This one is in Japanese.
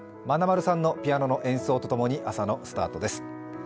まなまるさんのピアノの演奏とともに朝のスタートです。